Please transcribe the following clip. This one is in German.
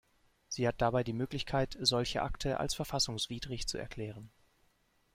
Sie hat dabei die Möglichkeit, solche Akte als verfassungswidrig zu erklären.